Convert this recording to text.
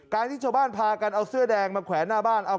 ที่ชาวบ้านพากันเอาเสื้อแดงมาแขวนหน้าบ้าน